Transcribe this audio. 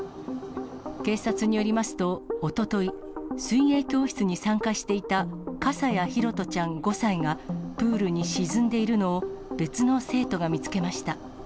警察によりますと、おととい、水泳教室に参加していた笠谷拓杜ちゃん５歳が、プールに沈んでいるのを別の生徒が見つけました。